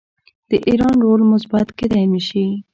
د ایران رول مثبت کیدی شي.